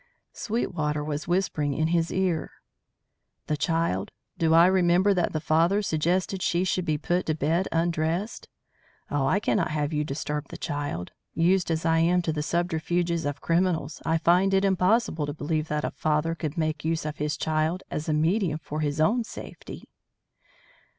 Sweetwater was whispering in his ear. "The child? Do I remember that the father suggested she should be put to bed undressed? Oh, I cannot have you disturb the child. Used as I am to the subterfuges of criminals I find it impossible to believe that a father could make use of his child as a medium for his own safety."